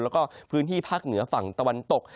แล้วก็พื้นที่ภาคเหนือฝั่งตะวันตก